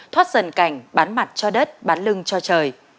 thoát dần cảnh bán mặt cho đất bán lưng cho trời